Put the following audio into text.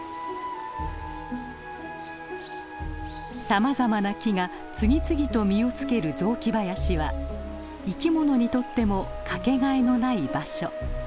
さまざまな木が次々と実をつける雑木林は生き物にとっても掛けがえのない場所。